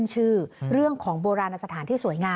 จริง